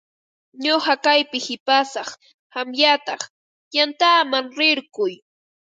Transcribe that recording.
Ñuqa kaypi qipasaq, qamñataq yantaman rirquy.